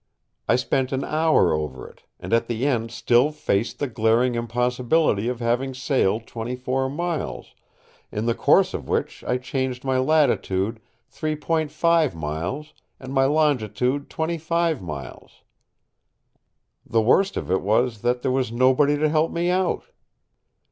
I spent an hour over it, and at the end still faced the glaring impossibility of having sailed 24 miles, in the course of which I changed my latitude 3.5 miles and my longitude 25 miles. The worst of it was that there was nobody to help me out.